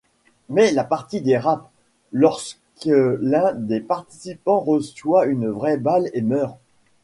Mais la partie dérape lorsque l'un des participants reçoit une vraie balle et meurt.